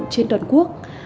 trên toàn quốc